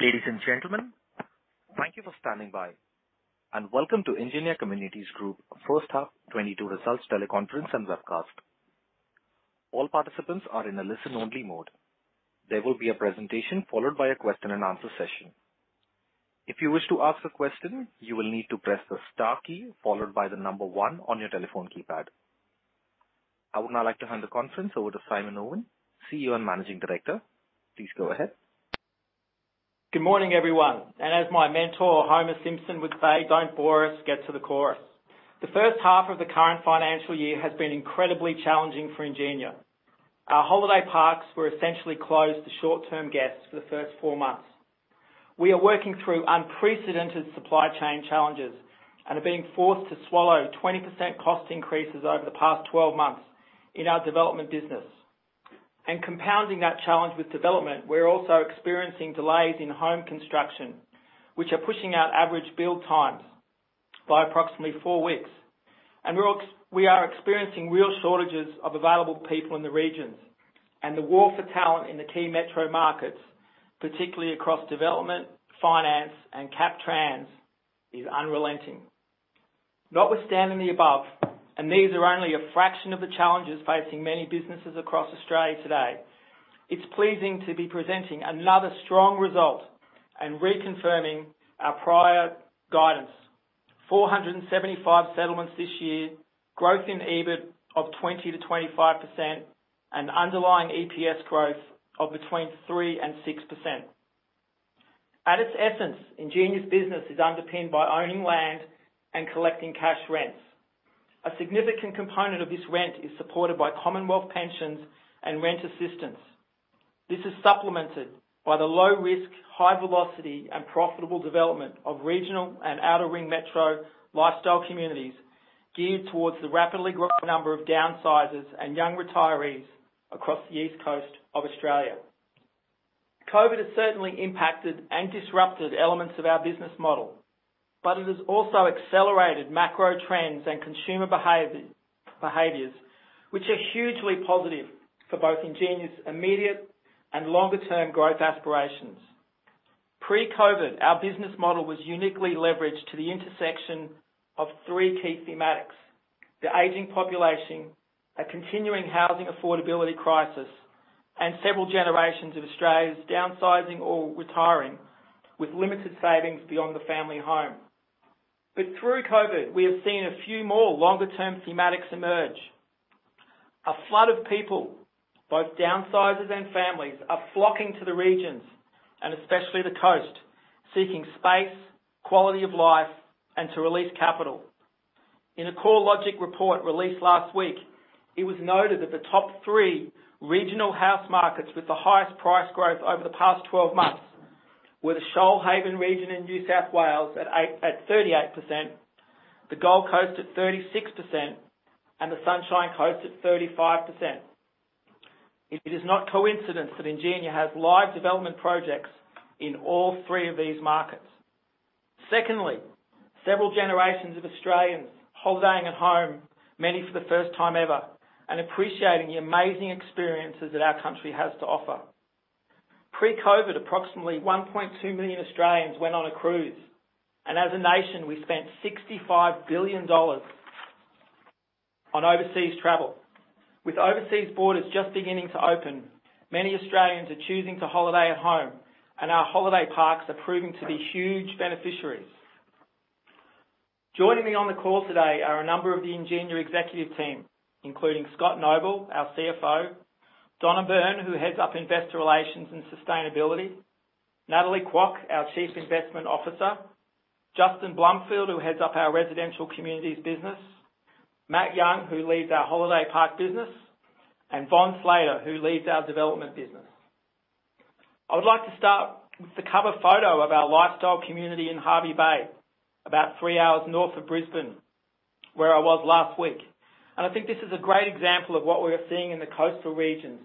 Ladies and gentlemen, thank you for standing by, and welcome to Ingenia Communities Group first half 2022 results teleconference and webcast. All participants are in a listen-only mode. There will be a presentation followed by a question and answer session. If you wish to ask a question, you will need to press the star key followed by the number one on your telephone keypad. I would now like to hand the conference over to Simon Owen, CEO and Managing Director. Please go ahead. Good morning, everyone. As my mentor, Homer Simpson would say, "Don't bore us. Get to the chorus." The first half of the current financial year has been incredibly challenging for Ingenia. Our holiday parks were essentially closed to short-term guests for the first four months. We are working through unprecedented supply chain challenges and are being forced to swallow 20% cost increases over the past 12 months in our development business. Compounding that challenge with development, we're also experiencing delays in home construction, which are pushing out average build times by approximately four weeks. We are experiencing real shortages of available people in the regions, and the war for talent in the key metro markets, particularly across development, finance, and cap trans is unrelenting. Notwithstanding the above, and these are only a fraction of the challenges facing many businesses across Australia today, it's pleasing to be presenting another strong result and reconfirming our prior guidance. 475 settlements this year, growth in EBIT of 20%-25%, and underlying EPS growth of between 3% and 6%. At its essence, Ingenia's business is underpinned by owning land and collecting cash rents. A significant component of this rent is supported by Commonwealth pensions and rent assistance. This is supplemented by the low risk, high velocity, and profitable development of regional and outer ring metro lifestyle communities geared towards the rapidly growing number of downsizers and young retirees across the east coast of Australia. COVID has certainly impacted and disrupted elements of our business model, but it has also accelerated macro trends and consumer behaviors which are hugely positive for both Ingenia's immediate and longer-term growth aspirations. Pre-COVID, our business model was uniquely leveraged to the intersection of three key thematics: the aging population, a continuing housing affordability crisis, and several generations of Australians downsizing or retiring with limited savings beyond the family home. Through COVID, we have seen a few more longer-term thematics emerge. A flood of people, both downsizers and families, are flocking to the regions, and especially the coast, seeking space, quality of life, and to release capital. In a CoreLogic report released last week, it was noted that the top three regional house markets with the highest price growth over the past 12 months were the Shoalhaven region in New South Wales at 38%, the Gold Coast at 36%, and the Sunshine Coast at 35%. It is no coincidence that Ingenia has live development projects in all three of these markets. Secondly, several generations of Australians holidaying at home, many for the first time ever, and appreciating the amazing experiences that our country has to offer. Pre-COVID, approximately 1.2 million Australians went on a cruise, and as a nation, we spent 65 billion dollars on overseas travel. With overseas borders just beginning to open, many Australians are choosing to holiday at home, and our holiday parks are proving to be huge beneficiaries. Joining me on the call today are a number of the Ingenia executive team, including Scott Noble, our CFO, Donna Byrne, who heads up Investor Relations and Sustainability, Natalie Kwok, our Chief Investment Officer, Justin Blumfield, who heads up our Residential Communities business, Matt Young, who leads our Holiday Park business, and Von Slater, who leads our Development business. I would like to start with the cover photo of our lifestyle community in Hervey Bay, about three hours north of Brisbane, where I was last week. I think this is a great example of what we are seeing in the coastal regions,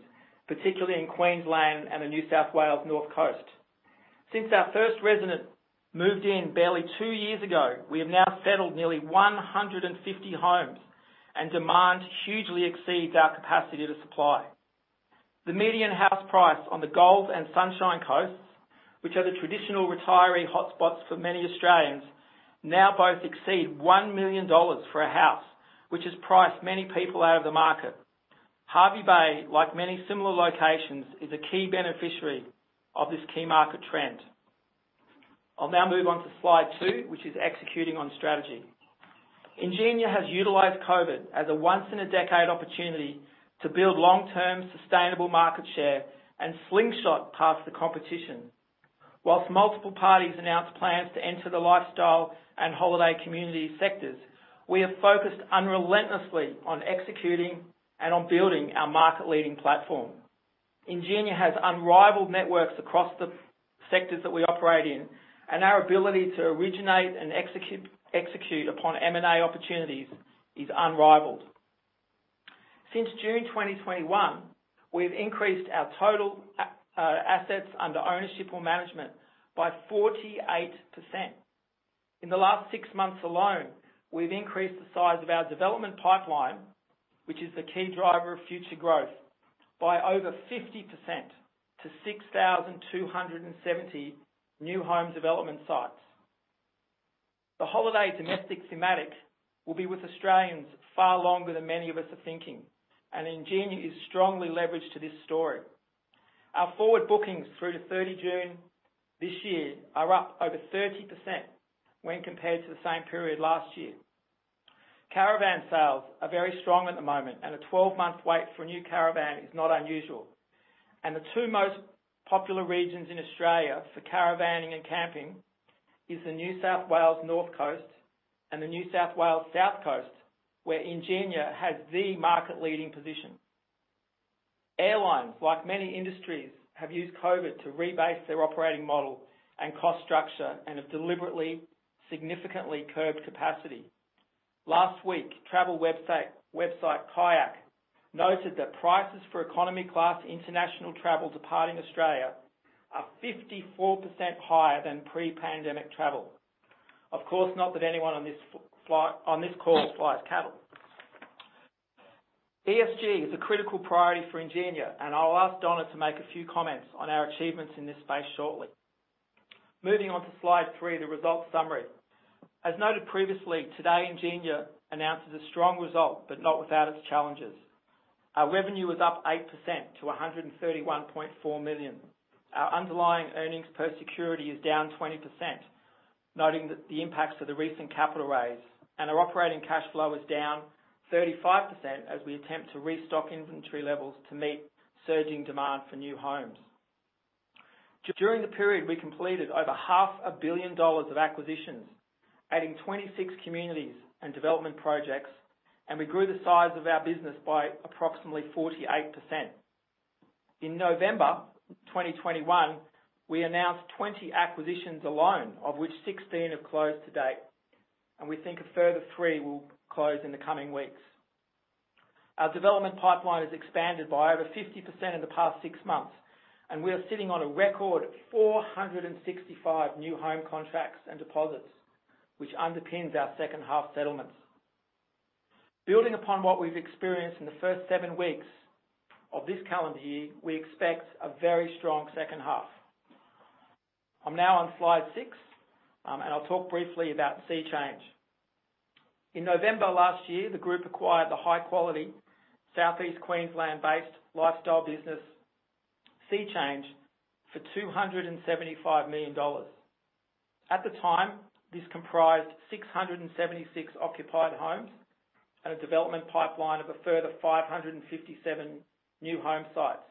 particularly in Queensland and the New South Wales North Coast. Since our first resident moved in barely two years ago, we have now settled nearly 150 homes, and demand hugely exceeds our capacity to supply. The median house price on the Gold Coast and Sunshine Coast, which are the traditional retiree hotspots for many Australians, now both exceed 1 million dollars for a house, which has priced many people out of the market. Hervey Bay, like many similar locations, is a key beneficiary of this key market trend. I'll now move on to slide two, which is executing on strategy. Ingenia has utilized COVID as a once in a decade opportunity to build long-term sustainable market share and slingshot past the competition. While multiple parties announced plans to enter the lifestyle and holiday community sectors, we have focused unrelentingly on executing and on building our market-leading platform. Ingenia has unrivaled networks across the sectors that we operate in, and our ability to originate and execute upon M&A opportunities is unrivaled. Since June 2021, we've increased our total assets under ownership or management by 48%. In the last six months alone, we've increased the size of our development pipeline, which is the key driver of future growth, by over 50% to 6,270 new home development sites. The holiday domestic thematic will be with Australians far longer than many of us are thinking, and Ingenia is strongly leveraged to this story. Our forward bookings through to 30 June this year are up over 30% when compared to the same period last year. Caravan sales are very strong at the moment, and a 12-month wait for a new caravan is not unusual. The two most popular regions in Australia for caravanning and camping is the New South Wales North Coast and the New South Wales South Coast, where Ingenia has the market-leading position. Airlines, like many industries, have used COVID to rebase their operating model and cost structure and have deliberately, significantly curbed capacity. Last week, travel website KAYAK noted that prices for economy class international travel departing Australia are 54% higher than pre-pandemic travel. Of course, not that anyone on this call flies cattle. ESG is a critical priority for Ingenia, and I'll ask Donna to make a few comments on our achievements in this space shortly. Moving on to slide three, the results summary. As noted previously, today, Ingenia announces a strong result, but not without its challenges. Our revenue is up 8% to 131.4 million. Our underlying earnings per security is down 20%, noting that the impacts of the recent capital raise. Our operating cash flow is down 35% as we attempt to restock inventory levels to meet surging demand for new homes. During the period, we completed over half a billion AUD of acquisitions, adding 26 communities and development projects, and we grew the size of our business by approximately 48%. In November 2021, we announced 20 acquisitions alone, of which 16 have closed to date, and we think a further three will close in the coming weeks. Our development pipeline has expanded by over 50% in the past six months, and we are sitting on a record 465 new home contracts and deposits, which underpins our second half settlements. Building upon what we've experienced in the first seven weeks of this calendar year, we expect a very strong second half. I'm now on slide six, and I'll talk briefly about Seachange. In November last year, the group acquired the high-quality Southeast Queensland-based lifestyle business, Seachange, for 275 million dollars. At the time, this comprised 676 occupied homes and a development pipeline of a further 557 new home sites.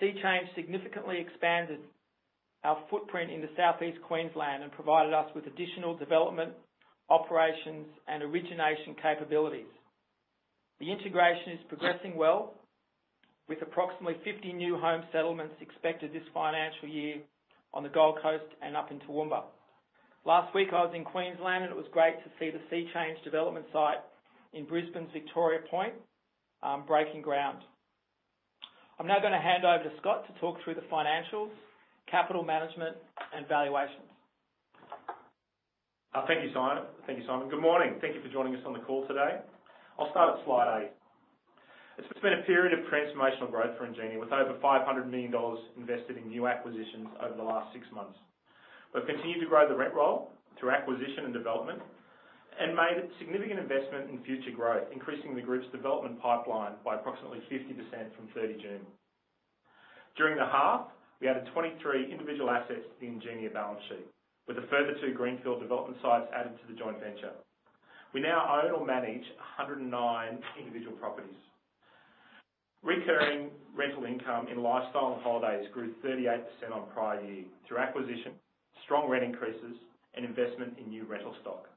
Seachange significantly expanded our footprint in the Southeast Queensland and provided us with additional development, operations, and origination capabilities. The integration is progressing well, with approximately 50 new home settlements expected this financial year on the Gold Coast and up in Toowoomba. Last week, I was in Queensland, and it was great to see the Seachange development site in Brisbane's Victoria Point, breaking ground. I'm now gonna hand over to Scott to talk through the financials, capital management, and valuations. Thank you, Simon. Good morning. Thank you for joining us on the call today. I'll start at slide eight. It's been a period of transformational growth for Ingenia, with over 500 million dollars invested in new acquisitions over the last six months. We've continued to grow the rent roll through acquisition and development and made a significant investment in future growth, increasing the group's development pipeline by approximately 50% from 30 June. During the half, we added 23 individual assets to the Ingenia balance sheet, with a further two greenfield development sites added to the joint venture. We now own or manage 109 individual properties. Recurring rental income in lifestyle and holidays grew 38% on prior year through acquisition, strong rent increases, and investment in new rental stock.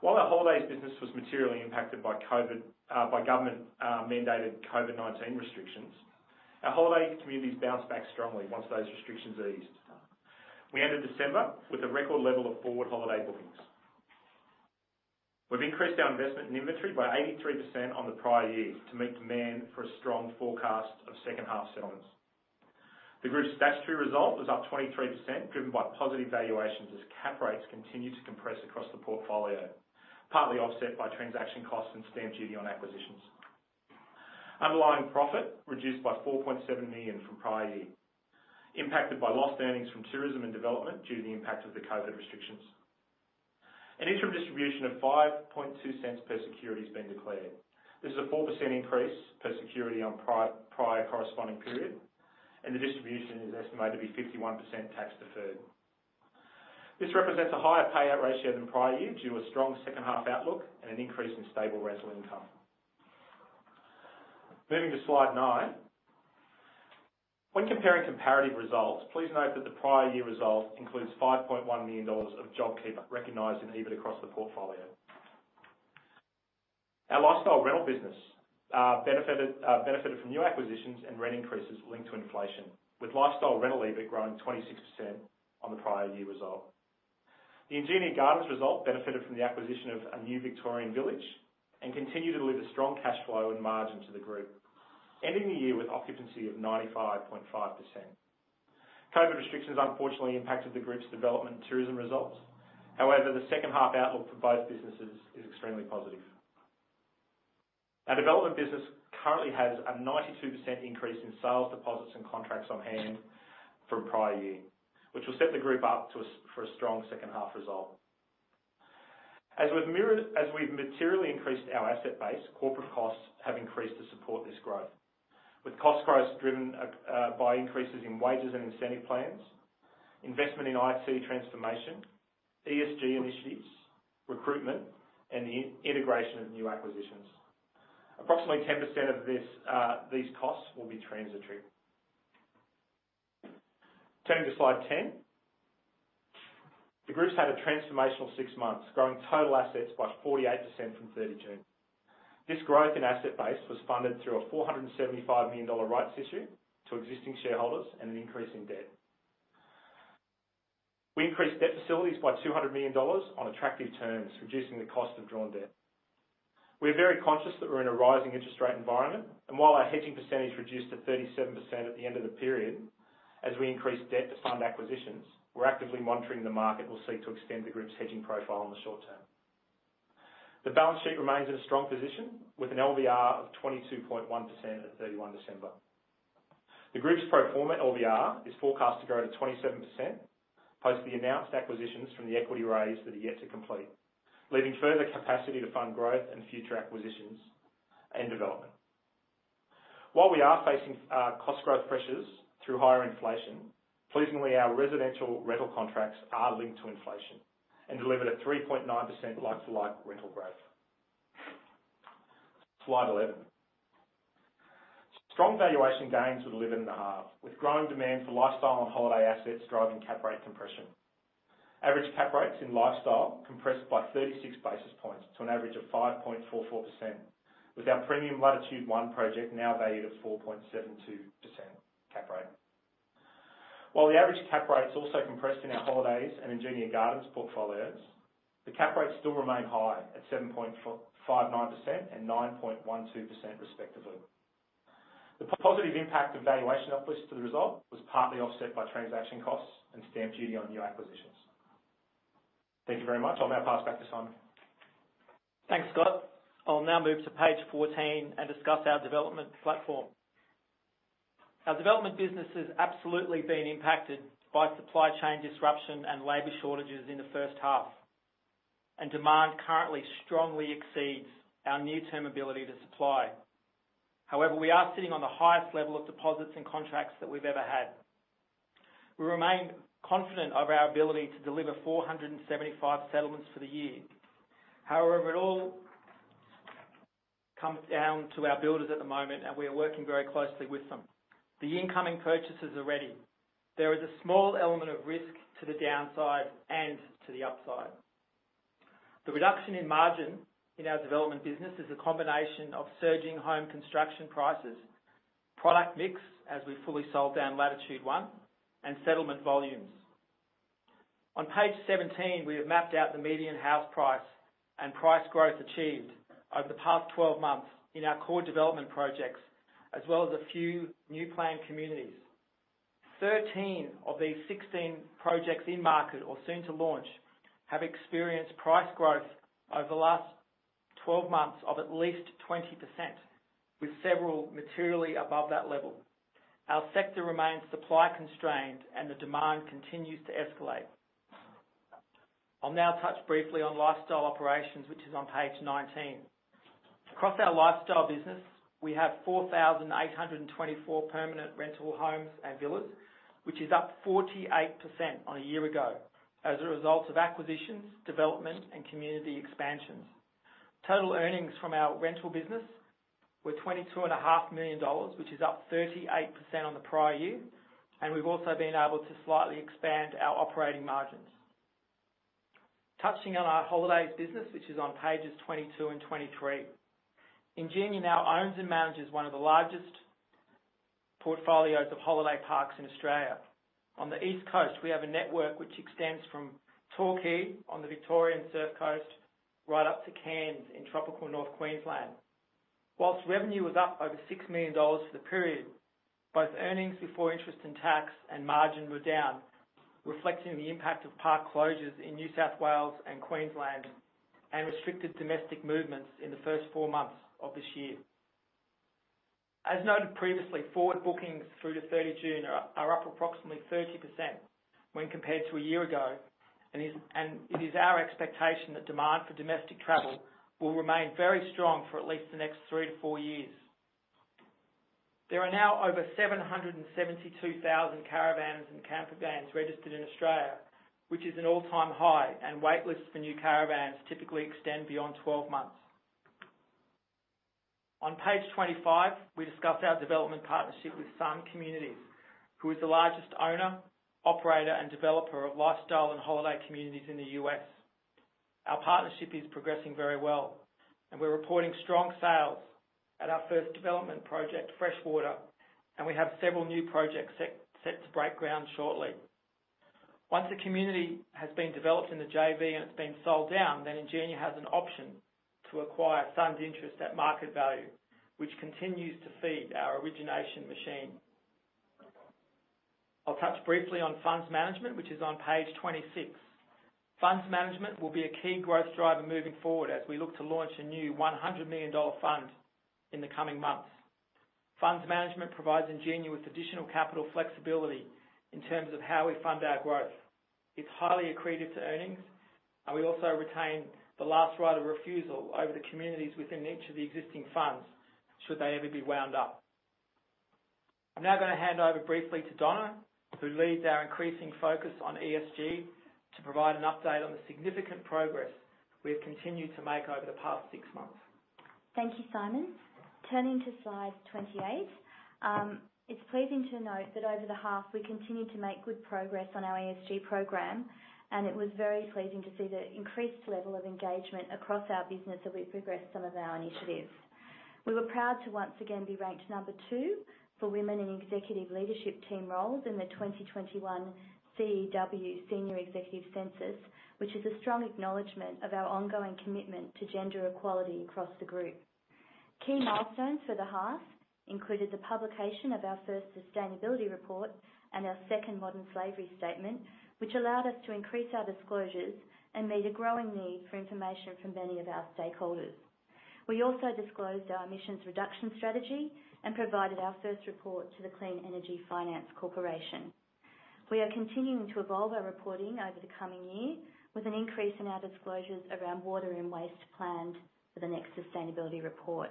While our holidays business was materially impacted by government mandated COVID-19 restrictions, our holiday communities bounced back strongly once those restrictions eased. We ended December with a record level of forward holiday bookings. We've increased our investment in inventory by 83% on the prior year to meet demand for a strong forecast of second-half settlements. The group's statutory result was up 23%, driven by positive valuations as cap rates continue to compress across the portfolio, partly offset by transaction costs and stamp duty on acquisitions. Underlying profit reduced by 4.7 million from prior year, impacted by lost earnings from tourism and development due to the impact of the COVID restrictions. An interim distribution of 5.2 cents per security has been declared. This is a 4% increase per security on prior corresponding period, and the distribution is estimated to be 51% tax-deferred. This represents a higher payout ratio than prior year due to a strong second half outlook and an increase in stable rental income. Moving to slide nine. When comparing comparative results, please note that the prior year result includes 5.1 million dollars of JobKeeper recognized in EBIT across the portfolio. Our lifestyle rental business benefited from new acquisitions and rent increases linked to inflation, with lifestyle rental EBIT growing 26% on the prior year result. The Ingenia Gardens result benefited from the acquisition of a new Victorian village and continued to deliver strong cash flow and margin to the group, ending the year with occupancy of 95.5%. COVID restrictions unfortunately impacted the group's development and tourism results. However, the second half outlook for both businesses is extremely positive. Our development business currently has a 92% increase in sales deposits and contracts on hand from prior year, which will set the group up for a strong second half result. As we've materially increased our asset base, corporate costs have increased to support this growth. With cost growth driven by increases in wages and incentive plans, investment in IT transformation, ESG initiatives, recruitment, and the integration of new acquisitions. Approximately 10% of these costs will be transitory. Turning to slide 10. The group's had a transformational six months, growing total assets by 48% from 30 June. This growth in asset base was funded through an 475 million dollar rights issue to existing shareholders and an increase in debt. We increased debt facilities by 200 million dollars on attractive terms, reducing the cost of drawn debt. We're very conscious that we're in a rising interest rate environment, and while our hedging percentage reduced to 37% at the end of the period, as we increased debt to fund acquisitions, we're actively monitoring the market and will seek to extend the group's hedging profile in the short term. The balance sheet remains in a strong position with an LVR of 22.1% at 31 December. The group's pro forma LVR is forecast to grow to 27%, post the announced acquisitions from the equity raise that are yet to complete, leaving further capacity to fund growth and future acquisitions and development. While we are facing cost growth pressures through higher inflation, pleasingly, our residential rental contracts are linked to inflation and delivered a 3.9% like-for-like rental growth. Slide 11. Strong valuation gains were delivered in the half, with growing demand for lifestyle and holiday assets driving cap rate compression. Average cap rates in lifestyle compressed by 36 basis points to an average of 5.44%, with our premium Latitude One project now valued at 4.72% cap rate. While the average cap rates also compressed in our holidays and Ingenia Gardens portfolios, the cap rates still remain high at 7.59% and 9.12% respectively. The positive impact of valuation uplift to the result was partly offset by transaction costs and stamp duty on new acquisitions. Thank you very much. I'll now pass back to Simon. Thanks, Scott. I'll now move to page 14 and discuss our development platform. Our development business has absolutely been impacted by supply chain disruption and labor shortages in the first half, and demand currently strongly exceeds our near-term ability to supply. However, we are sitting on the highest level of deposits and contracts that we've ever had. We remain confident of our ability to deliver 475 settlements for the year. However, it all comes down to our builders at the moment, and we are working very closely with them. The incoming purchases are ready. There is a small element of risk to the downside and to the upside. The reduction in margin in our development business is a combination of surging home construction prices, product mix, as we fully sold down Latitude One, and settlement volumes. On page 17, we have mapped out the median house price and price growth achieved over the past 12 months in our core development projects, as well as a few new planned communities. 13 of these 16 projects in market or soon to launch have experienced price growth over the last 12 months of at least 20%, with several materially above that level. Our sector remains supply constrained and the demand continues to escalate. I'll now touch briefly on lifestyle operations, which is on page 19. Across our lifestyle business, we have 4,824 permanent rental homes and villas, which is up 48% on a year ago as a result of acquisitions, development and community expansions. Total earnings from our rental business were 22.5 million dollars, which is up 38% on the prior year, and we've also been able to slightly expand our operating margins. Touching on our holidays business, which is on pages 22 and 23, Ingenia now owns and manages one of the largest portfolios of holiday parks in Australia. On the East Coast, we have a network which extends from Torquay on the Victorian Surf Coast, right up to Cairns in tropical North Queensland. While revenue was up over 6 million dollars for the period, both earnings before interest and tax and margin were down, reflecting the impact of park closures in New South Wales and Queensland and restricted domestic movements in the first four months of this year. As noted previously, forward bookings through to 30 June are up approximately 30% when compared to a year ago, and it is our expectation that demand for domestic travel will remain very strong for at least the next three-four years. There are now over 772,000 caravans and campervans registered in Australia, which is an all-time high, and waitlists for new caravans typically extend beyond 12 months. On page 25, we discuss our development partnership with Sun Communities, who is the largest owner, operator, and developer of lifestyle and holiday communities in the U.S.. Our partnership is progressing very well, and we're reporting strong sales at our first development project, Freshwater, and we have several new projects set to break ground shortly. Once a community has been developed in the JV and it's been sold down, then Ingenia has an option to acquire Sun's interest at market value, which continues to feed our origination machine. I'll touch briefly on funds management, which is on page 26. Funds management will be a key growth driver moving forward as we look to launch a new 100 million dollar fund in the coming months. Funds management provides Ingenia with additional capital flexibility in terms of how we fund our growth. It's highly accretive to earnings, and we also retain the first right of refusal over the communities within each of the existing funds should they ever be wound up. I'm now gonna hand over briefly to Donna, who leads our increasing focus on ESG, to provide an update on the significant progress we have continued to make over the past six months. Thank you, Simon. Turning to slide 28. It's pleasing to note that over the half we continued to make good progress on our ESG program, and it was very pleasing to see the increased level of engagement across our business as we progressed some of our initiatives. We were proud to once again be ranked number two for women in executive leadership team roles in the 2021 CEW Senior Executive Census, which is a strong acknowledgement of our ongoing commitment to gender equality across the group. Key milestones for the half included the publication of our first sustainability report and our second modern slavery statement, which allowed us to increase our disclosures and meet a growing need for information from many of our stakeholders. We also disclosed our emissions reduction strategy and provided our first report to the Clean Energy Finance Corporation. We are continuing to evolve our reporting over the coming year with an increase in our disclosures around water and waste planned for the next sustainability report.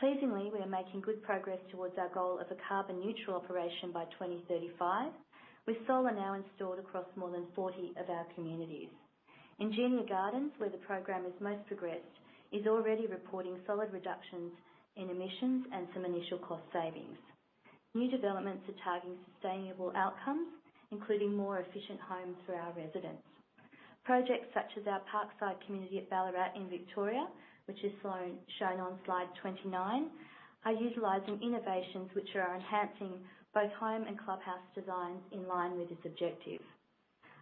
Pleasingly, we are making good progress towards our goal of a carbon neutral operation by 2035, with solar now installed across more than 40 of our communities. Ingenia Gardens, where the program is most progressed, is already reporting solid reductions in emissions and some initial cost savings. New developments are targeting sustainable outcomes, including more efficient homes for our residents. Projects such as our Parkside community at Ballarat in Victoria, which is shown on slide 29, are utilizing innovations which are enhancing both home and clubhouse designs in line with this objective.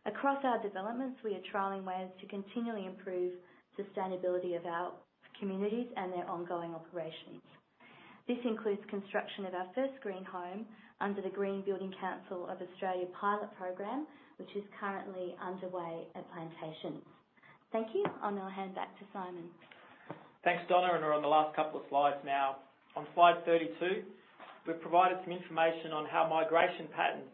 Across our developments, we are trialing ways to continually improve sustainability of our communities and their ongoing operations. This includes construction of our first green home under the Green Building Council of Australia pilot program, which is currently underway at Plantations. Thank you. I'll now hand back to Simon. Thanks, Donna, and we're on the last couple of slides now. On slide 32, we've provided some information on how migration patterns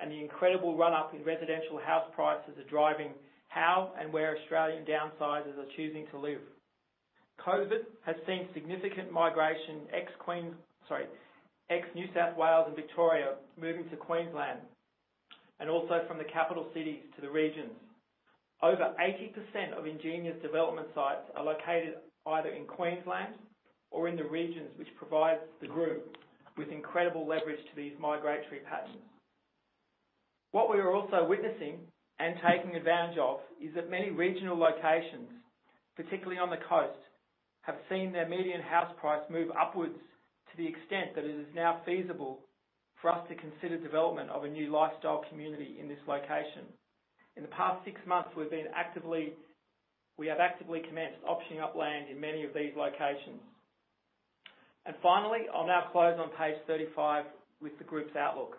and the incredible run-up in residential house prices are driving how and where Australian downsizers are choosing to live. COVID has seen significant migration ex-New South Wales and Victoria moving to Queensland and also from the capital cities to the regions. Over 80% of Ingenia's development sites are located either in Queensland or in the regions, which provides the group with incredible leverage to these migratory patterns. What we are also witnessing and taking advantage of is that many regional locations, particularly on the coast, have seen their median house price move upwards to the extent that it is now feasible for us to consider development of a new lifestyle community in this location. In the past six months, we have actively commenced optioning up land in many of these locations. Finally, I'll now close on page 35 with the group's outlook.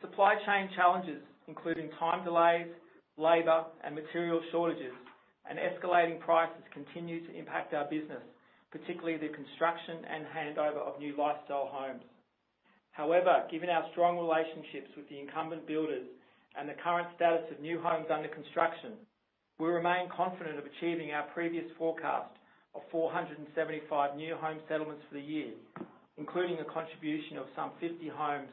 Supply chain challenges, including time delays, labor and material shortages and escalating prices, continue to impact our business, particularly the construction and handover of new lifestyle homes. However, given our strong relationships with the incumbent builders and the current status of new homes under construction, we remain confident of achieving our previous forecast of 475 new home settlements for the year, including a contribution of some 50 homes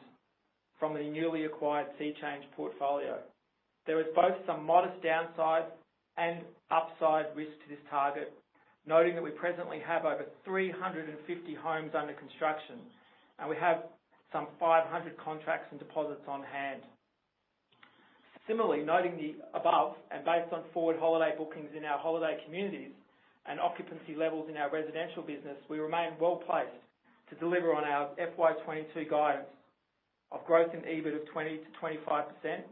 from the newly acquired Seachange portfolio. There is both some modest downside and upside risk to this target, noting that we presently have over 350 homes under construction, and we have some 500 contracts and deposits on hand. Similarly, noting the above and based on forward holiday bookings in our holiday communities and occupancy levels in our residential business, we remain well placed to deliver on our FY 2022 guidance of growth in EBIT of 20%-25%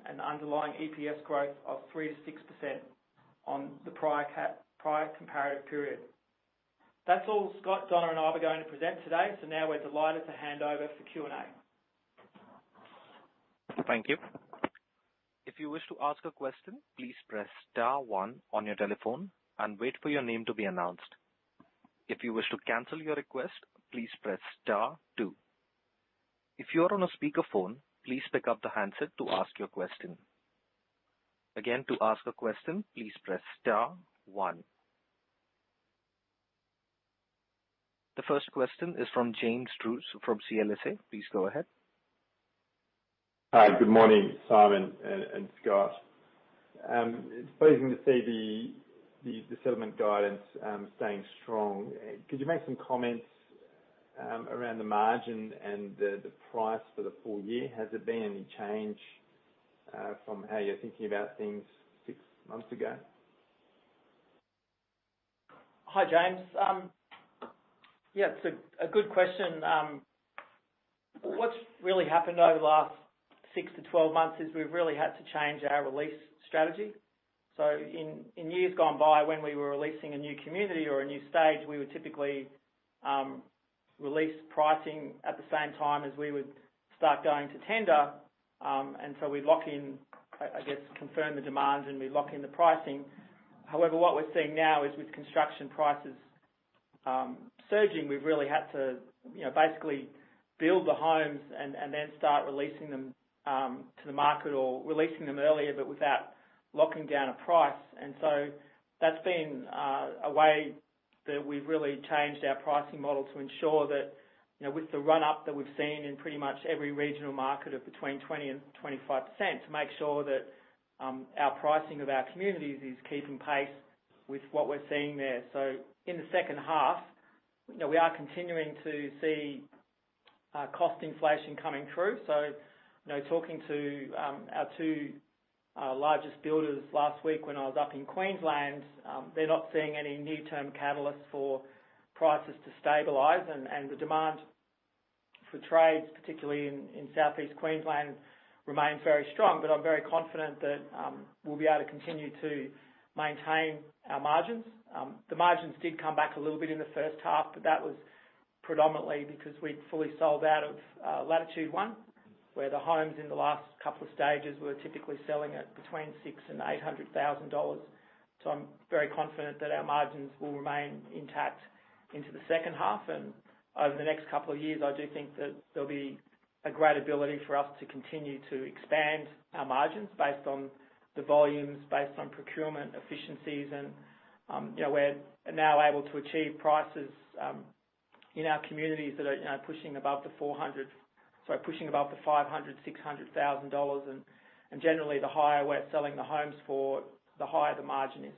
and underlying EPS growth of 3%-6% on the prior comparative period. That's all Scott, Donna and I were going to present today. Now we're delighted to hand over for Q&A. Thank you. If you wish to ask a question please press star one on your telephone and wait for your name to be announced. If you wish to cancel your request please press star two. If you're on a speaker phone please pick up the handset to ask your question. Again, to ask a question please press star one. The first question is from James Druce from CLSA. Please go ahead. Hi. Good morning, Simon and Scott. It's pleasing to see the settlement guidance staying strong. Could you make some comments around the margin and the price for the full year? Has there been any change from how you're thinking about things six months ago? Hi, James. Yeah, it's a good question. What's really happened over the last six-12 months is we've really had to change our release strategy. In years gone by, when we were releasing a new community or a new stage, we would typically release pricing at the same time as we would start going to tender. We lock in, I guess, confirm the demand, and we lock in the pricing. However, what we're seeing now is with construction prices surging, we've really had to, you know, basically build the homes and then start releasing them to the market or releasing them earlier but without locking down a price. That's been a way that we've really changed our pricing model to ensure that, you know, with the run-up that we've seen in pretty much every regional market of between 20%-25%, to make sure that our pricing of our communities is keeping pace with what we're seeing there. In the second half, you know, we are continuing to see cost inflation coming through. You know, talking to our two largest builders last week when I was up in Queensland, they're not seeing any near-term catalyst for prices to stabilize. The demand for trades, particularly in Southeast Queensland, remains very strong. I'm very confident that we'll be able to continue to maintain our margins. The margins did come back a little bit in the first half, but that was predominantly because we'd fully sold out of Latitude One, where the homes in the last couple of stages were typically selling at between 600,000 and 800,000 dollars. I'm very confident that our margins will remain intact into the second half. Over the next couple of years, I do think that there'll be a great ability for us to continue to expand our margins based on the volumes, based on procurement efficiencies and, you know, we're now able to achieve prices in our communities that are, you know, pushing above 500,000, 600,000 dollars. Generally, the higher we're selling the homes for, the higher the margin is.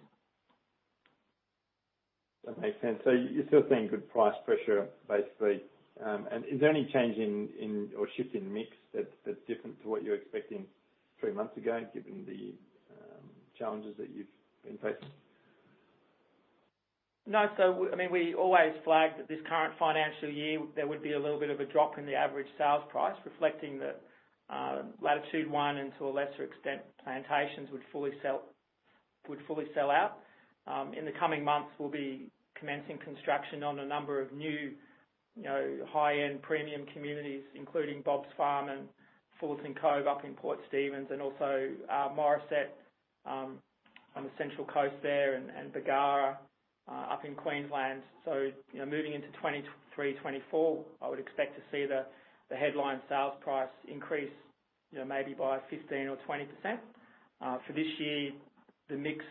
That makes sense. You're still seeing good price pressure, basically. Is there any change in or shift in mix that's different to what you were expecting three months ago, given the challenges that you've been facing? No. I mean, we always flagged that this current financial year, there would be a little bit of a drop in the average sales price, reflecting that, Latitude One and to a lesser extent, Plantations would fully sell out. In the coming months, we'll be commencing construction on a number of new, you know, high-end premium communities, including Bobs Farm and Fullerton Cove up in Port Stephens, and also, Morisset, on the Central Coast there, and Bargara, up in Queensland. You know, moving into 2023, 2024, I would expect to see the headline sales price increase, maybe by 15%-20%. For this year, the mix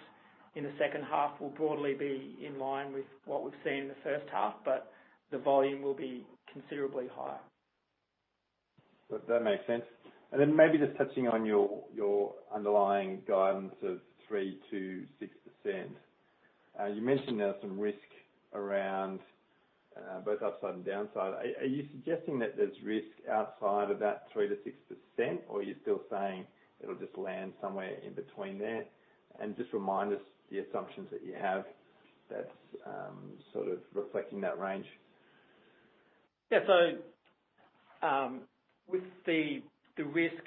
in the second half will broadly be in line with what we've seen in the first half, but the volume will be considerably higher. That makes sense. Maybe just touching on your underlying guidance of 3%-6%. You mentioned there was some risk around both upside and downside. Are you suggesting that there's risk outside of that 3%-6%, or are you still saying it'll just land somewhere in between there? Just remind us the assumptions that you have that's sort of reflecting that range. Yeah. With the risk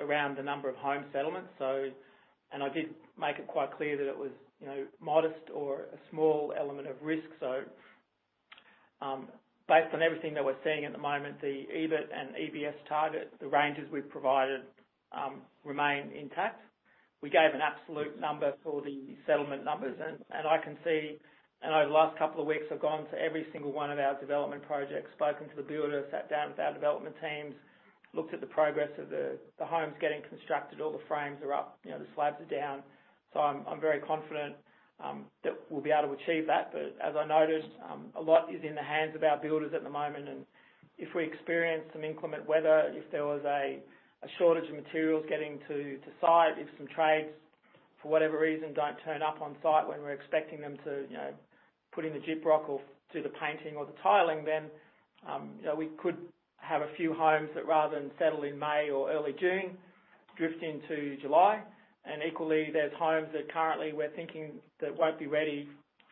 around the number of home settlements. I did make it quite clear that it was, you know, modest or a small element of risk. Based on everything that we're seeing at the moment, the EBIT and EPS target, the ranges we've provided, remain intact. We gave an absolute number for the settlement numbers, and I can see. You know, the last couple of weeks, I've gone to every single one of our development projects, spoken to the builder, sat down with our development teams, looked at the progress of the homes getting constructed. All the frames are up, you know, the slabs are down. I'm very confident that we'll be able to achieve that. As I noted, a lot is in the hands of our builders at the moment, and if we experience some inclement weather, if there was a shortage of materials getting to site, if some trades, for whatever reason, don't turn up on site when we're expecting them to, you know, put in the gyprock or do the painting or the tiling, then, you know, we could have a few homes that rather than settle in May or early June, drift into July. Equally, there's homes that currently we're thinking that won't be ready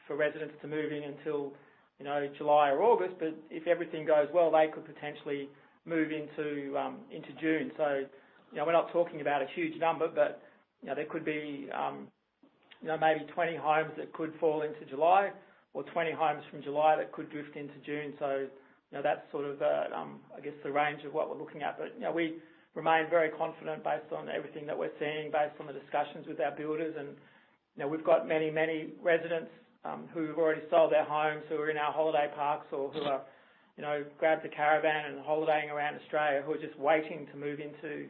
for residents to move in until, you know, July or August. If everything goes well, they could potentially move into June. You know, we're not talking about a huge number, but you know, there could be you know, maybe 20 homes that could fall into July or 20 homes from July that could drift into June. You know, that's sort of, I guess the range of what we're looking at. You know, we remain very confident based on everything that we're seeing, based on the discussions with our builders. You know, we've got many residents who've already sold their homes, who are in our holiday parks or who've grabbed a caravan and holidaying around Australia, who are just waiting to move into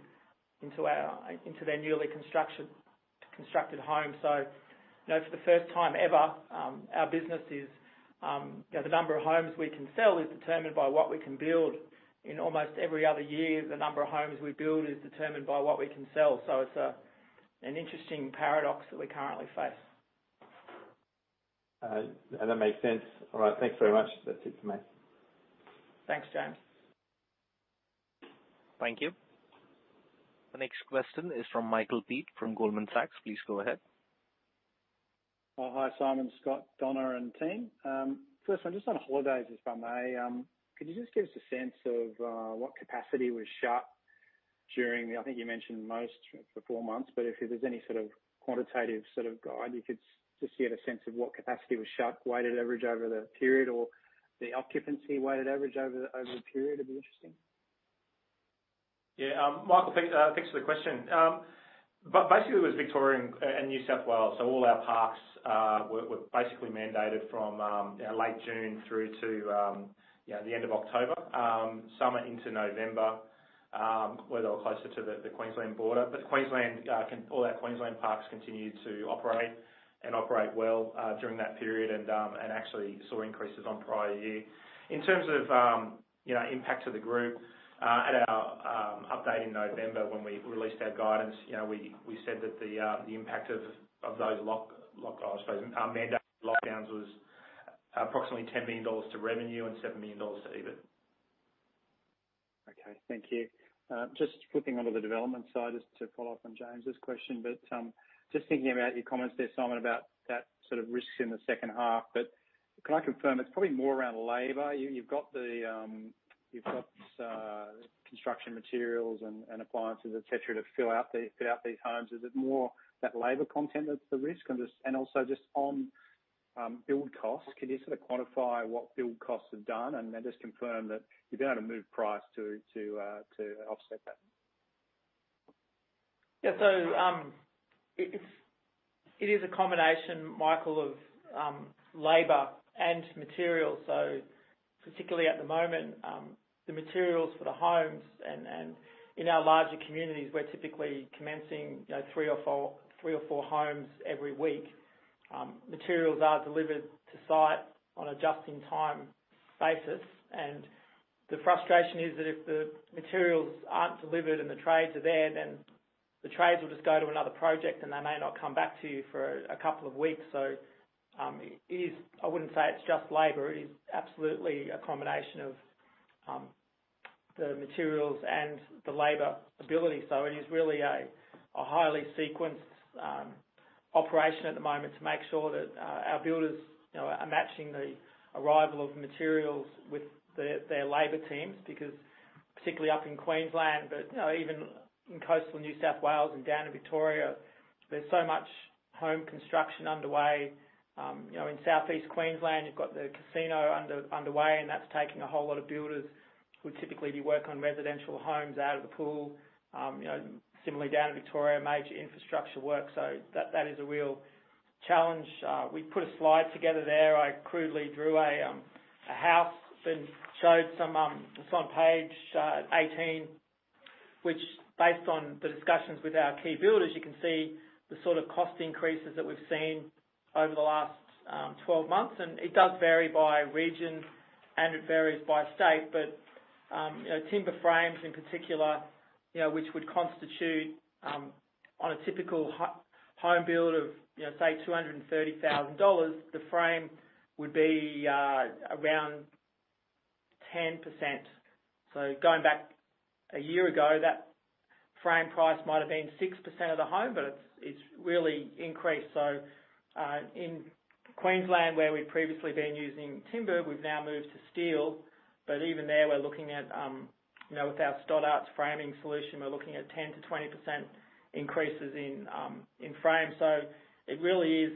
their newly constructed homes. You know, for the first time ever, our business is you know, the number of homes we can sell is determined by what we can build. In almost every other year, the number of homes we build is determined by what we can sell. It's an interesting paradox that we currently face. That makes sense. All right. Thanks very much. That's it for me. Thanks, James. Thank you. The next question is from Michael Peet from Goldman Sachs. Please go ahead. Oh, hi, Simon, Scott, Donna, and team. First one, just on holidays if I may. Could you just give us a sense of what capacity was shut during the period? I think you mentioned most for four months, but if there's any sort of quantitative guide you could just to get a sense of what capacity was shut, weighted average over the period or the occupancy weighted average over the period would be interesting. Michael, thanks for the question. Basically, it was Victoria and New South Wales. All our parks were basically mandated from late June through to the end of October, some into November, where they were closer to the Queensland border. Queensland, all our Queensland parks continued to operate and operate well during that period and actually saw increases on prior year. In terms of impact to the group, at our update in November when we released our guidance, we said that the impact of those, I suppose, mandated lockdowns was approximately 10 million dollars to revenue and 7 million dollars to EBIT. Okay. Thank you. Just flipping onto the development side, just to follow up on James' question. Just thinking about your comments there, Simon, about that sort of risks in the second half, can I confirm it's probably more around labor. You've got construction materials and appliances, et cetera, to fill out these homes. Is it more the labor content that's the risk? Also just on build costs, can you sort of quantify what build costs have done and just confirm that you're able to move price to offset that? Yeah. It is a combination, Michael, of labor and materials. Particularly at the moment, the materials for the homes and in our larger communities, we're typically commencing, you know, three or four homes every week. Materials are delivered to site on a just-in-time basis. The frustration is that if the materials aren't delivered and the trades are there, then the trades will just go to another project, and they may not come back to you for a couple of weeks. It is. I wouldn't say it's just labor. It is absolutely a combination of the materials and the labor availability. It is really a highly sequenced operation at the moment to make sure that our builders, you know, are matching the arrival of materials with their labor teams. Because particularly up in Queensland, but, you know, even in coastal New South Wales and down in Victoria, there's so much home construction underway. You know, in Southeast Queensland, you've got the casino underway, and that's taking a whole lot of builders who would typically be working on residential homes out of the pool. You know, similarly, down in Victoria, major infrastructure work. That is a real challenge. We put a slide together there. I crudely drew a house and showed some, it's on page 18, which based on the discussions with our key builders, you can see the sort of cost increases that we've seen over the last 12 months. It does vary by region, and it varies by state. You know, timber frames in particular, you know, which would constitute, on a typical home build of, you know, say 230,000 dollars, the frame would be around 10%. Going back a year ago, that frame price might have been 6% of the home, but it's really increased. In Queensland, where we'd previously been using timber, we've now moved to steel. Even there, we're looking at, you know, with our Stoddart's framing solution, we're looking at 10%-20% increases in frames. It really is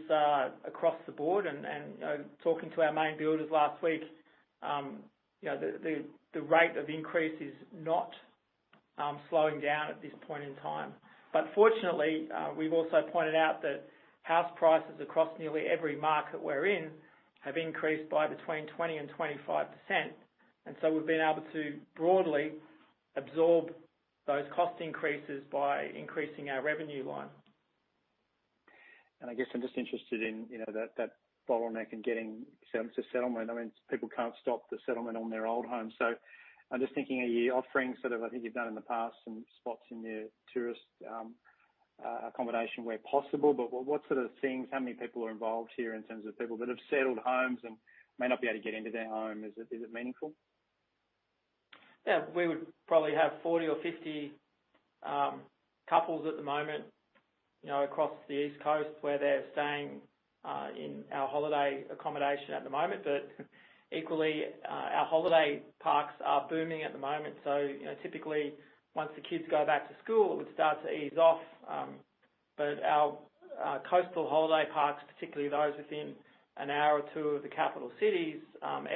across the board. You know, talking to our main builders last week, you know, the rate of increase is not slowing down at this point in time. Fortunately, we've also pointed out that house prices across nearly every market we're in have increased by between 20% and 25%. We've been able to broadly absorb those cost increases by increasing our revenue line. I guess I'm just interested in, you know, that bottleneck in getting, so it's a settlement. I mean, people can't stop the settlement on their old home. I'm just thinking, are you offering sort of, I think you've done in the past, some spots in your tourist accommodation where possible. But what sort of things, how many people are involved here in terms of people that have settled homes and may not be able to get into their home? Is it meaningful? Yeah. We would probably have 40 or 50 couples at the moment, you know, across the East Coast where they're staying in our holiday accommodation at the moment. Equally, our holiday parks are booming at the moment. You know, typically once the kids go back to school, it would start to ease off. Our coastal holiday parks, particularly those within an hour or two of the capital cities,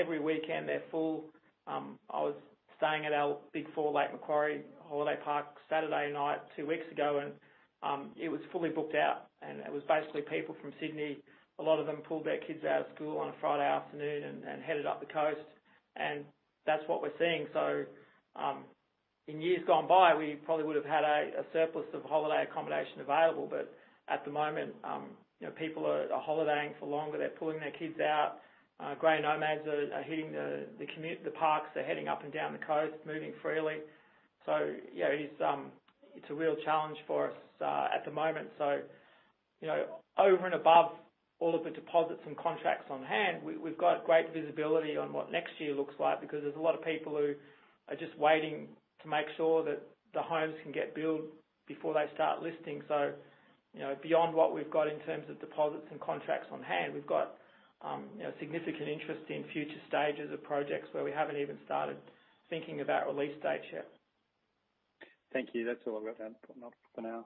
every weekend, they're full. I was staying at our BIG4 Lake Macquarie holiday park Saturday night two weeks ago, and it was fully booked out. It was basically people from Sydney. A lot of them pulled their kids out of school on a Friday afternoon and headed up the coast. That's what we're seeing. In years gone by, we probably would have had a surplus of holiday accommodation available. At the moment, you know, people are holidaying for longer. They're pulling their kids out. Gray nomads are hitting the parks. They're heading up and down the coast, moving freely. Yeah, it's a real challenge for us at the moment. You know, over and above all of the deposits and contracts on hand, we've got great visibility on what next year looks like, because there's a lot of people who are just waiting to make sure that the homes can get built before they start listing. You know, beyond what we've got in terms of deposits and contracts on hand, we've got, you know, significant interest in future stages of projects where we haven't even started thinking about release stage yet. Thank you. That's all I've got for now.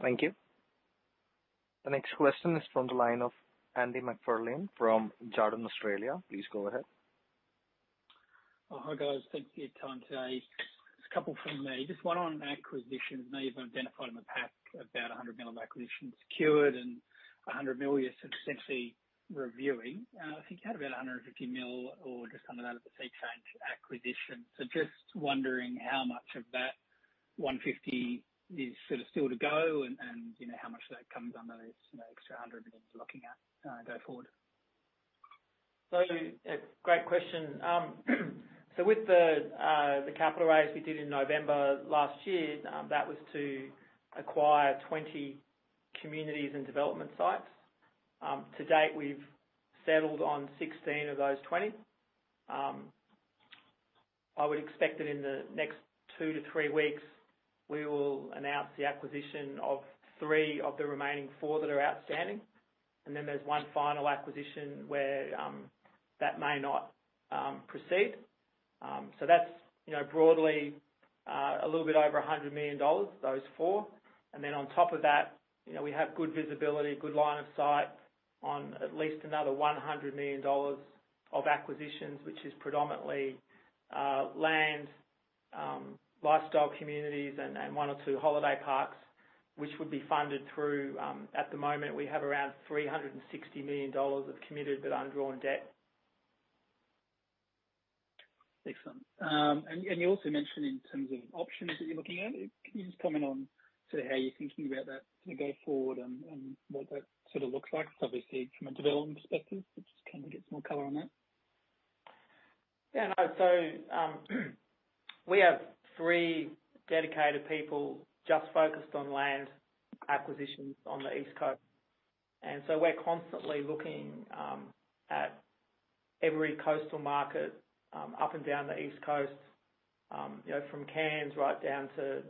Thank you. The next question is from the line of Andrew MacFarlane from Jarden Australia. Please go ahead. Hi, guys. Thank you for your time today. Just a couple from me. Just one on acquisitions. I know you've identified in the past about 100 million of acquisitions secured and 100 million you're sort of essentially reviewing. I think you had about 150 million or just under that at the Seachange acquisition. Just wondering how much of that 150 million is sort of still to go and you know, how much of that comes under this, you know, extra 100 million you're looking at go forward. It's a great question. With the capital raise we did in November last year, that was to acquire 20 communities and development sites. To date, we've settled on 16 of those 20. I would expect that in the next two-three weeks, we will announce the acquisition of three of the remaining four that are outstanding. There's one final acquisition where that may not proceed. That's, you know, broadly a little bit over 100 million dollars, those four. On top of that, you know, we have good visibility, good line of sight on at least another 100 million dollars of acquisitions, which is predominantly land lifestyle communities and one or two holiday parks, which would be funded through. At the moment, we have around 360 million dollars of committed but undrawn debt. Excellent. You also mentioned in terms of options that you're looking at. Can you just comment on sort of how you're thinking about that kinda go forward and what that sort of looks like, obviously from a development perspective, but just kinda get some more color on that? Yeah, no. We have three dedicated people just focused on land acquisitions on the East Coast. We're constantly looking at every coastal market up and down the East Coast, you know, from Cairns right down to,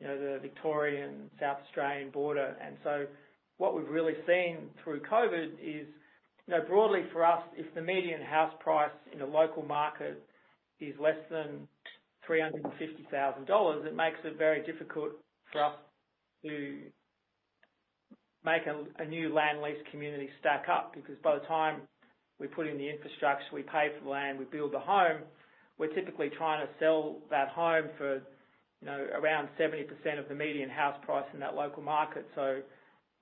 you know, the Victorian South Australian border. What we've really seen through COVID is, you know, broadly for us, if the median house price in a local market is less than 350,000 dollars, it makes it very difficult for us to make a new land lease community stack up, because by the time we put in the infrastructure, we pay for the land, we build the home, we're typically trying to sell that home for, you know, around 70% of the median house price in that local market.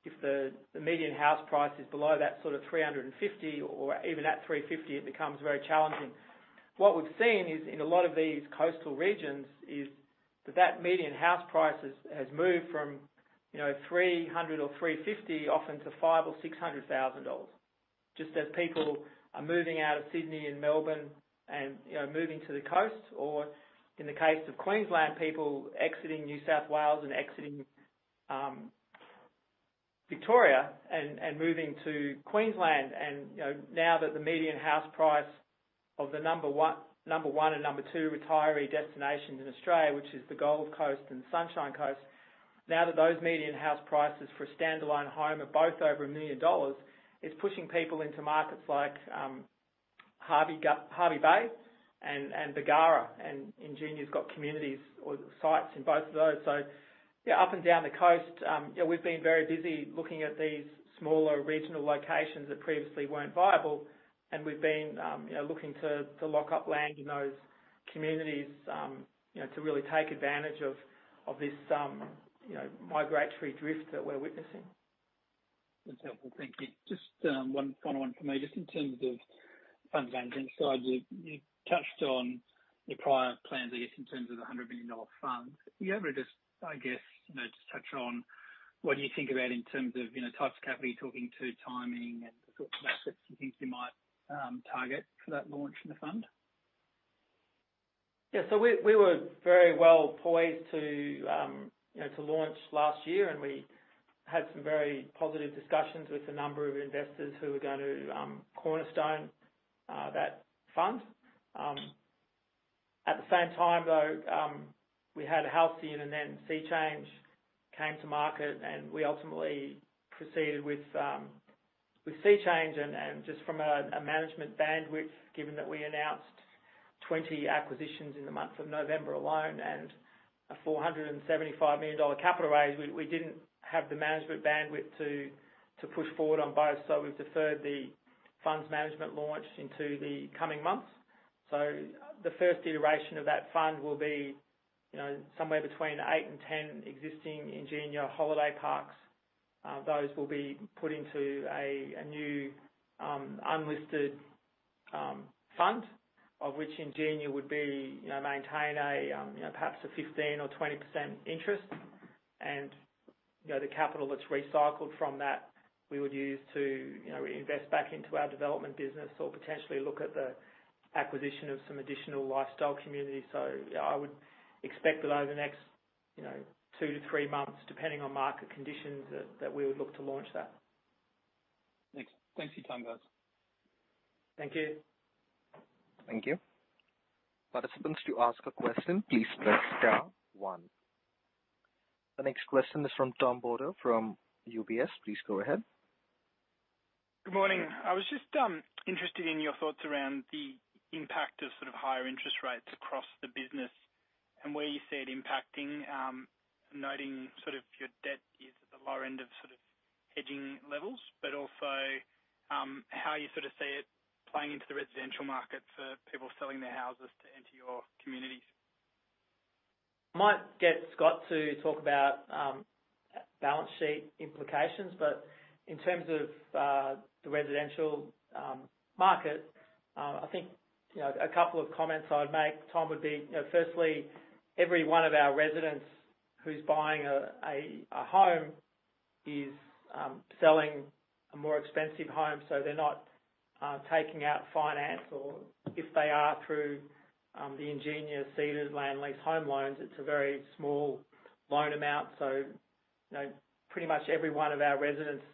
If the median house price is below that sort of 350,000 or even at 350,000, it becomes very challenging. What we've seen is in a lot of these coastal regions is that median house price has moved from, you know, 300,000 or 350,000 often to 500,000 or 600,000 dollars. Just as people are moving out of Sydney and Melbourne and, you know, moving to the coast, or in the case of Queensland, people exiting New South Wales and exiting Victoria and moving to Queensland. You know, now that the median house price of the number one and number two retiree destinations in Australia, which is the Gold Coast and Sunshine Coast, now that those median house prices for a standalone home are both over 1 million dollars, it's pushing people into markets like Hervey Bay and Bargara, and Ingenia's got communities or sites in both of those. Yeah, up and down the coast, yeah, we've been very busy looking at these smaller regional locations that previously weren't viable, and we've been looking to lock up land in those communities, you know, to really take advantage of this migratory drift that we're witnessing. That's helpful. Thank you. Just one final one from me. Just in terms of funds management side, you touched on your prior plans, I guess, in terms of the 100 million dollar fund. Can you ever just, I guess, you know, just touch on what you think about in terms of, you know, types of category you're talking to, timing, and the sorts of assets you think you might target for that launch in the fund? We were very well poised to launch last year, and we had some very positive discussions with a number of investors who were gonna cornerstone that fund. At the same time, though, we had Halcyon, and then Seachange came to market, and we ultimately proceeded with Seachange. Just from a management bandwidth, given that we announced 20 acquisitions in the month of November alone and a 475 million dollar capital raise, we didn't have the management bandwidth to push forward on both. We've deferred the funds management launch into the coming months. The first iteration of that fund will be somewhere between eight and 10 existing Ingenia holiday parks. Those will be put into a new unlisted fund of which Ingenia would, you know, maintain a, you know, perhaps a 15%-20% interest. You know, the capital that's recycled from that we would use to, you know, reinvest back into our development business or potentially look at the acquisition of some additional lifestyle communities. Yeah, I would expect that over the next, you know, two-three months, depending on market conditions, that we would look to launch that. Thanks. Thanks for your time, guys. Thank you. Thank you. Participants, to ask a question, please press star one. The next question is from Tom Bodor from UBS. Please go ahead. Good morning. I was just interested in your thoughts around the impact of sort of higher interest rates across the business and where you see it impacting. Noting sort of your debt is at the lower end of sort of hedging levels, but also, how you sort of see it playing into the residential market for people selling their houses to enter your communities. Might get Scott to talk about balance sheet implications, but in terms of the residential market, I think a couple of comments I'd make, Tom, would be firstly, every one of our residents who's buying a home is selling a more expensive home, so they're not taking out finance or if they are through the Ingenia-seeded Land Lease Home Loans, it's a very small loan amount. So, you know, pretty much every one of our residents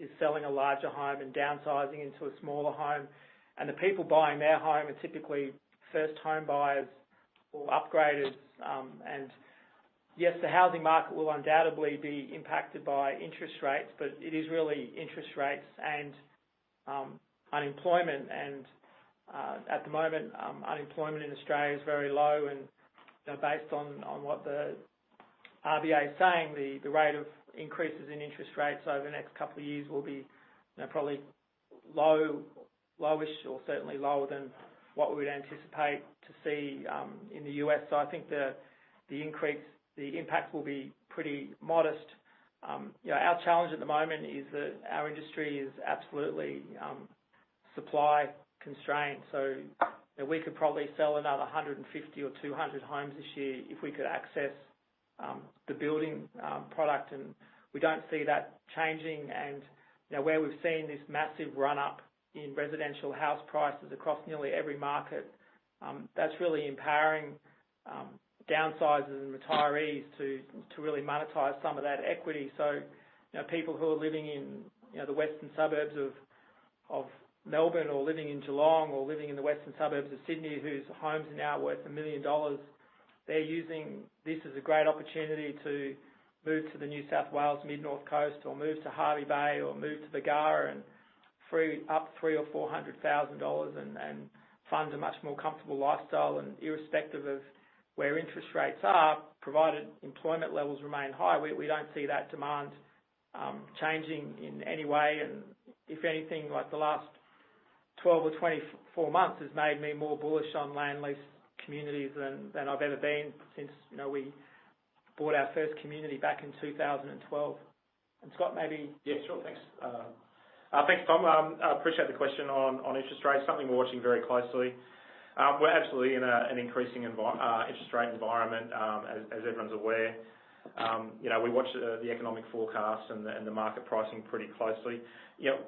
is selling a larger home and downsizing into a smaller home. The people buying their home are typically first home buyers or upgraders. Yes, the housing market will undoubtedly be impacted by interest rates, but it is really interest rates and unemployment. At the moment, unemployment in Australia is very low and, you know, based on what the RBA is saying, the rate of increases in interest rates over the next couple of years will be, you know, probably low-ish or certainly lower than what we would anticipate to see in the U.S. I think the impact will be pretty modest. You know, our challenge at the moment is that our industry is absolutely supply constrained, so, you know, we could probably sell another 150 or 200 homes this year if we could access the building product. We don't see that changing. You know, where we've seen this massive run-up in residential house prices across nearly every market, that's really empowering downsizers and retirees to really monetize some of that equity. You know, people who are living in the western suburbs of Melbourne or living in Geelong or living in the western suburbs of Sydney, whose homes are now worth 1 million dollars, they're using this as a great opportunity to move to the New South Wales Mid North Coast or move to Hervey Bay or move to Bargara and free up 300,000-400,000 dollars and fund a much more comfortable lifestyle. Irrespective of where interest rates are, provided employment levels remain high, we don't see that demand changing in any way. If anything, like the last 12 or 24 months has made me more bullish on land lease communities than I've ever been since, you know, we bought our first community back in 2012. Scott, maybe- Yeah, sure. Thanks. Thanks, Tom. I appreciate the question on interest rates, something we're watching very closely. We're absolutely in an increasing interest rate environment, as everyone's aware. You know, we watch the economic forecast and the market pricing pretty closely. You know,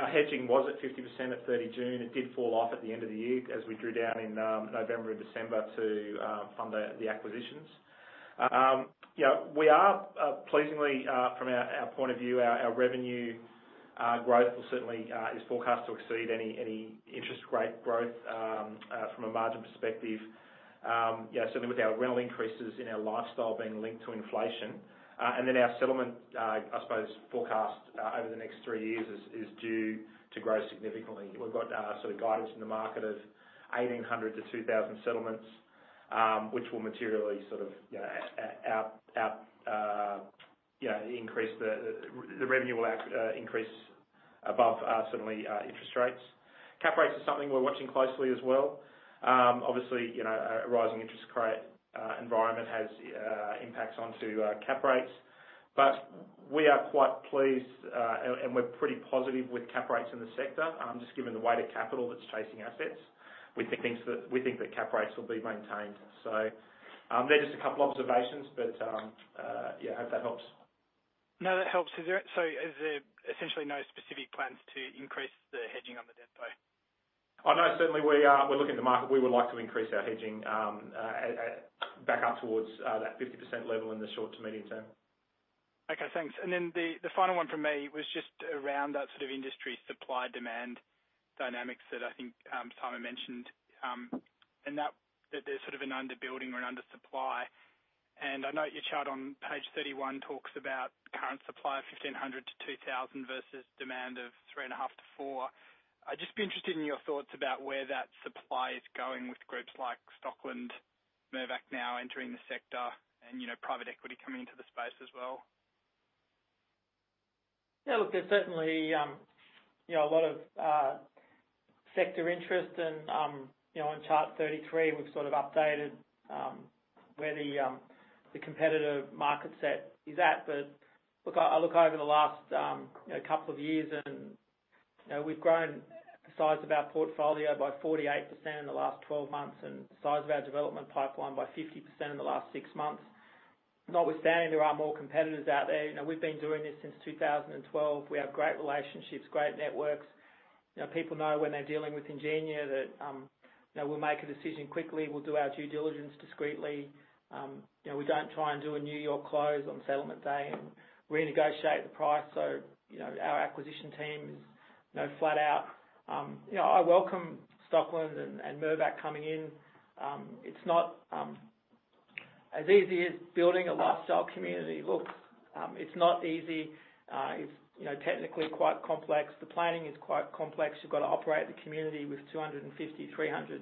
our hedging was at 50% at 30 June. It did fall off at the end of the year as we drew down in November and December to fund the acquisitions. You know, we are pleasingly from our point of view, our revenue growth will certainly is forecast to exceed any interest rate growth from a margin perspective. You know, certainly with our rental increases in our lifestyle being linked to inflation. Our settlements forecast over the next three years is due to grow significantly. We've got sort of guidance in the market of 1,800-2,000 settlements, which will materially sort of, you know, out, you know, increase the revenue will increase above certainly interest rates. Cap rates is something we're watching closely as well. Obviously, you know, a rising interest rate environment has impacts onto cap rates, but we are quite pleased and we're pretty positive with cap rates in the sector, just given the weight of capital that's chasing assets. We think that cap rates will be maintained. They're just a couple observations, but yeah, hope that helps. No, that helps. Is there essentially no specific plans to increase the hedging on the debt pay? Oh, no, certainly we are. We're looking at the market. We would like to increase our hedging back up towards that 50% level in the short to medium term. Okay, thanks. The final one from me was just around that sort of industry supply-demand dynamics that I think Simon mentioned. That there's sort of an underbuilding or an undersupply. I know your chart on page 31 talks about current supply of 1,500-2,000 versus demand of 3.5-4. I'd just be interested in your thoughts about where that supply is going with groups like Stockland, Mirvac now entering the sector and, you know, private equity coming into the space as well. Yeah, look, there's certainly, you know, a lot of sector interest and, you know, on chart 33, we've sort of updated where the the competitive market set is at. Look, now we've grown the size of our portfolio by 48% in the last 12 months, and the size of our development pipeline by 50% in the last six months. Notwithstanding, there are more competitors out there. You know, we've been doing this since 2012. We have great relationships, great networks. You know, people know when they're dealing with Ingenia that, you know, we'll make a decision quickly. We'll do our due diligence discreetly. You know, we don't try and do a New York close on settlement day and renegotiate the price. You know, our acquisition team is, you know, flat out. You know, I welcome Stockland and Mirvac coming in. It's not as easy as building a lifestyle community looks. It's not easy. It's, you know, technically quite complex. The planning is quite complex. You've got to operate the community with 250-300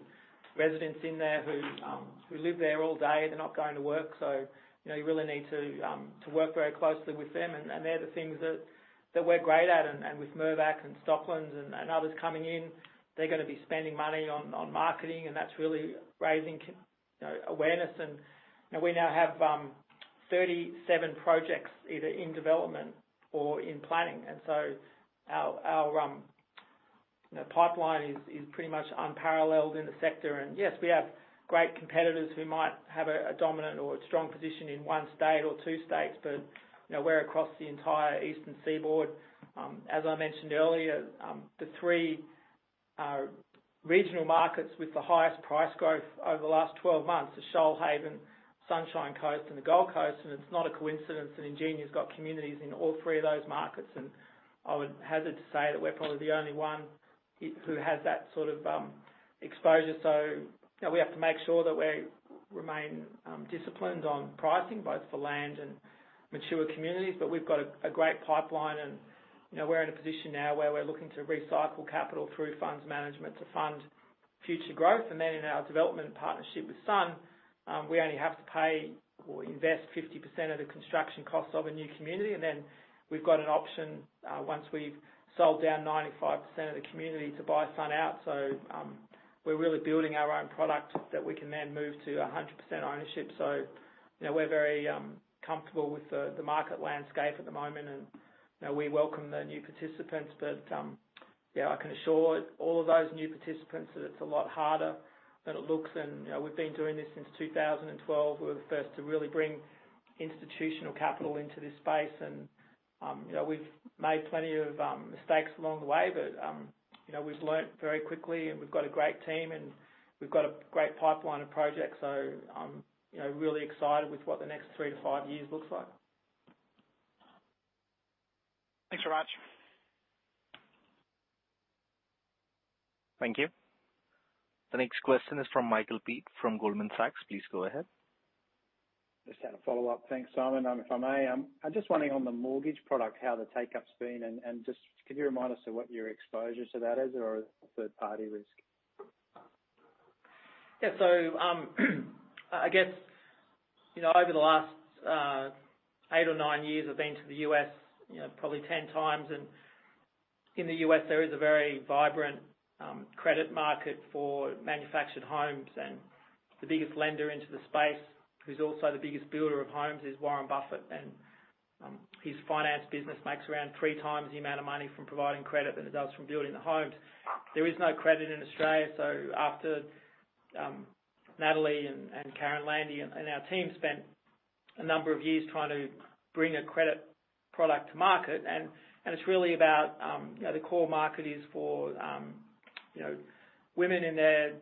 residents in there who live there all day. They're not going to work, so you know, you really need to work very closely with them. They're the things that we're great at. With Mirvac and Stockland and others coming in, they're gonna be spending money on marketing, and that's really raising, you know, awareness. You know, we now have 37 projects either in development or in planning. Our pipeline is pretty much unparalleled in the sector. Yes, we have great competitors who might have a dominant or a strong position in one state or two states, but you know, we're across the entire Eastern Seaboard. As I mentioned earlier, the three regional markets with the highest price growth over the last 12 months are Shoalhaven, Sunshine Coast, and the Gold Coast. It's not a coincidence that Ingenia's got communities in all three of those markets. I would hazard to say that we're probably the only one who has that sort of exposure. You know, we have to make sure that we remain disciplined on pricing both for land and mature communities. We've got a great pipeline and, you know, we're in a position now where we're looking to recycle capital through funds management to fund future growth. In our development partnership with Sun, we only have to pay or invest 50% of the construction cost of a new community. We've got an option, once we've sold down 95% of the community to buy Sun out. We're really building our own product that we can then move to 100% ownership. You know, we're very comfortable with the market landscape at the moment and, you know, we welcome the new participants. You know, I can assure all of those new participants that it's a lot harder than it looks. You know, we've been doing this since 2012. We're the first to really bring institutional capital into this space. You know, we've made plenty of mistakes along the way, but you know, we've learned very quickly and we've got a great team, and we've got a great pipeline of projects. I'm you know, really excited with what the next three to five years looks like. Thanks very much. Thank you. The next question is from Michael Peet from Goldman Sachs. Please go ahead. Just had a follow-up. Thanks, Simon. If I may, I'm just wondering on the mortgage product, how the take-up's been, and just could you remind us of what your exposure to that is or third-party risk? I guess, you know, over the last eight or nine years, I've been to the U.S., you know, probably 10 times. In the U.S., there is a very vibrant credit market for manufactured homes. The biggest lender into the space, who's also the biggest builder of homes, is Warren Buffett. His finance business makes around three times the amount of money from providing credit than it does from building the homes. There is no credit in Australia. After Natalie and Karen Landy and our team spent a number of years trying to bring a credit product to market. It's really about, you know, the core market is for, you know, women in their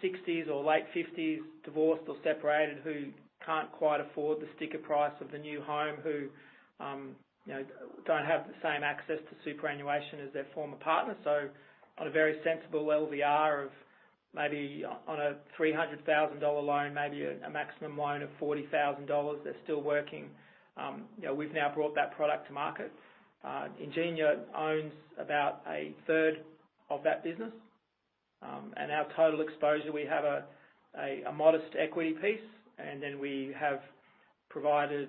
sixties or late fifties, divorced or separated, who can't quite afford the sticker price of the new home, who, you know, don't have the same access to superannuation as their former partner. On a very sensible LVR of maybe on a 300,000 dollar loan, maybe a maximum loan of 40,000 dollars, they're still working. You know, we've now brought that product to market. Ingenia owns about a third of that business. Our total exposure, we have a modest equity piece, and then we have provided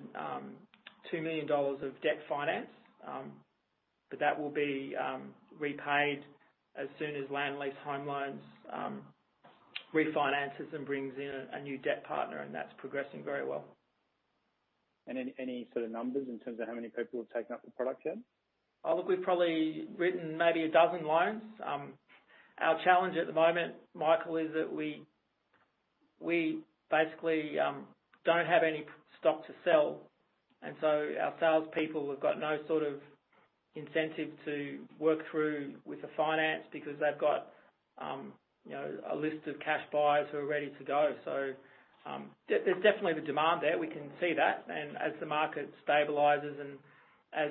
2 million dollars of debt finance. But that will be repaid as soon as Land Lease Home Loans refinances and brings in a new debt partner. That's progressing very well. Any sort of numbers in terms of how many people have taken up the product yet? Oh, look, we've probably written maybe a dozen loans. Our challenge at the moment, Michael, is that we basically don't have any stock to sell, and so our salespeople have got no sort of incentive to work through with the finance because they've got, you know, a list of cash buyers who are ready to go. There's definitely the demand there. We can see that. As the market stabilizes and as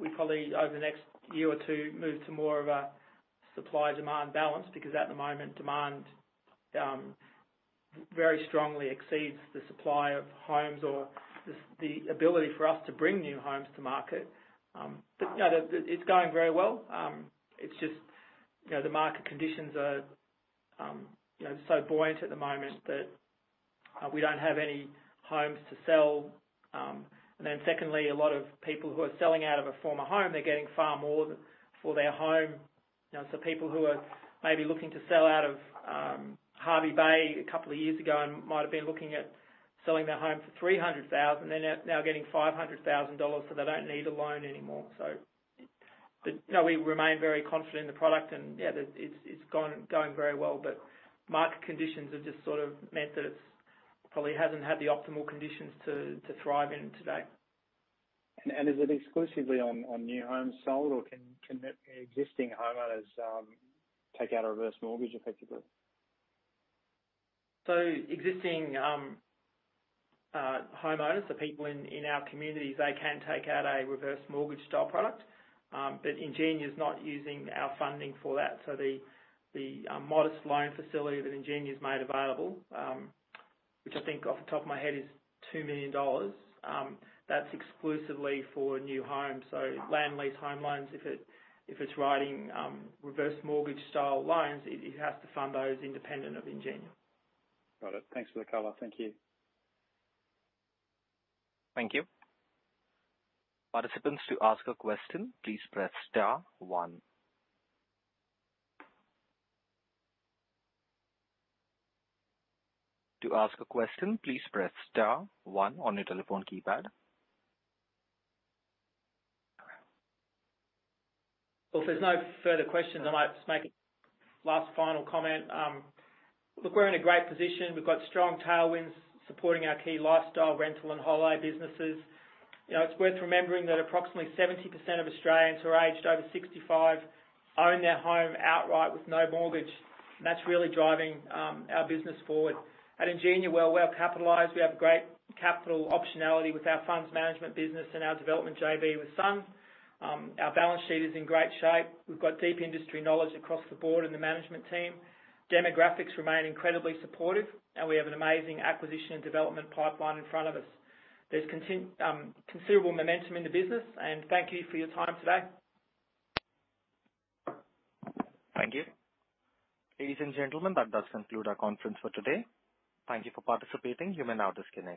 we probably, over the next year or two, move to more of a supply/demand balance, because at the moment, demand very strongly exceeds the supply of homes or the ability for us to bring new homes to market. You know, it's going very well. It's just, you know, the market conditions are, you know, so buoyant at the moment that we don't have any homes to sell. And then secondly, a lot of people who are selling out of a former home, they're getting far more than for their home. You know, so people who are maybe looking to sell out of Hervey Bay a couple of years ago and might have been looking at selling their home for 300,000, they're now getting 500,000 dollars, so they don't need a loan anymore. But no, we remain very confident in the product, and yeah, it's going very well, but market conditions have just sort of meant that it's probably hasn't had the optimal conditions to thrive in today. Is it exclusively on new homes sold, or can existing homeowners take out a reverse mortgage effectively? Existing homeowners or people in our communities, they can take out a reverse mortgage-style product. Ingenia's not using our funding for that. The modest loan facility that Ingenia's made available, which I think off the top of my head is 2 million dollars, that's exclusively for new homes. Land Lease Home Loans, if it's writing reverse mortgage-style loans, it has to fund those independent of Ingenia. Got it. Thanks for the color. Thank you. Thank you. Participants, to ask a question, please press star one. To ask a question, please press star one on your telephone keypad. Well, if there's no further questions, I might just make a last final comment. Look, we're in a great position. We've got strong tailwinds supporting our key lifestyle, rental, and holiday businesses. You know, it's worth remembering that approximately 70% of Australians who are aged over 65 own their home outright with no mortgage, and that's really driving our business forward. At Ingenia, we're well-capitalized. We have great capital optionality with our funds management business and our development JV with Sun. Our balance sheet is in great shape. We've got deep industry knowledge across the board in the management team. Demographics remain incredibly supportive, and we have an amazing acquisition and development pipeline in front of us. There's considerable momentum in the business, and thank you for your time today. Thank you. Ladies and gentlemen, that does conclude our conference for today. Thank you for participating. You may now disconnect.